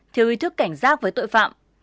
thiếu ý thức cảnh giác với tội phạm